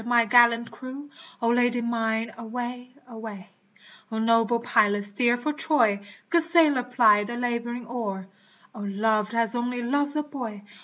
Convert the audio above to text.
my gallant crew, O Lady mine away ! away ! O noble pilot steer for Troy, Good sailor ply the laboring oar, O loved as only loves a boy